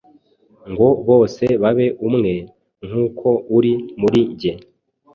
ngo bose babe umwe, nk’uko uri muri jye,